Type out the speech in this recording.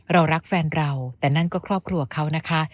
เรารักแฟนเราแต่นั่นก็ครอบครัวเขานะคะ